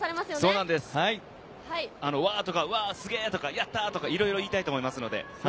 うわ！とか、すげぇ！とか、やった！とか、いろいろ言いたいと思います。